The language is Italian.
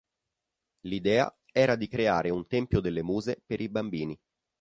L'idea era di creare un tempio delle muse per i bambini.